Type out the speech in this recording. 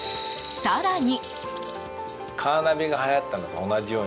更に。